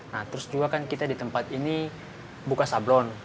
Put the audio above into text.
nah terus juga kan kita di tempat ini buka sablon